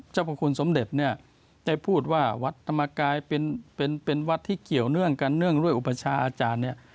พระคุณสมเด็จเนี่ยได้พูดว่าวัดธรรมกายเป็นวัดที่เกี่ยวเนื่องกันเนื่องด้วยอุปชาอาจารย์เนี่ย